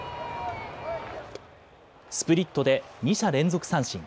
スプリットで２者連続三振。